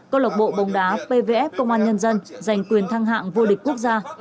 câu lộc bộ bóng đá pvf công an nhân dân giành quyền thăng hạng vô địch quốc gia